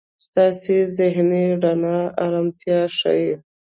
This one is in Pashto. ستاسې زهني نا ارمتیا ښي.